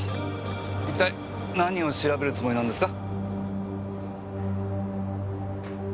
一体何を調べるつもりなんですか？